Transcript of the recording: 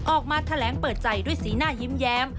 ออกมาแถลงเปิดใจด้วยสีหน้ายิ้มแย้ม